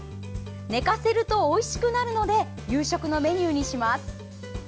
寝かせるとおいしくなるので夕食のメニューにします。